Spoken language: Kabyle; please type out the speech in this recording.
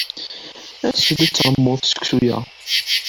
As-d ad tarmed seksu-a.